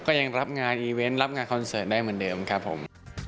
ก็ยังรับงานอีเวนต์รับงานคอนเสิร์ตได้เหมือนเดิมครับผม